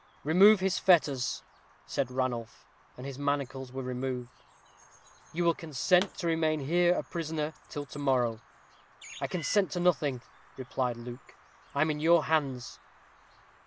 "Remove his fetters," said Ranulph. And his manacles were removed. "You will consent to remain here a prisoner till to morrow?" "I consent to nothing," replied Luke; "I am in your hands."